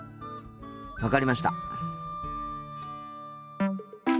分かりました。